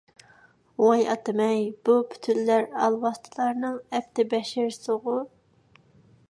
ۋاي ئاتىمەي! بۇ پۈتۈنلەي ئالۋاستىلارنىڭ ئەپت - بەشىرىسىغۇ!